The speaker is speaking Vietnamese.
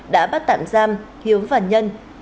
đã bắt tạm giam hiếu phản nhân